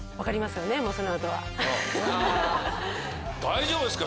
大丈夫ですか？